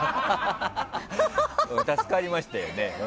助かりましたよね。